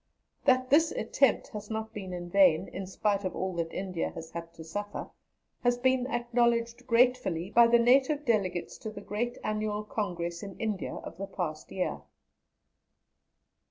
That this attempt has not been in vain, in spite of all that India has had to suffer, has been acknowledged gratefully by the Native delegates to the great Annual Congress in India of the past year.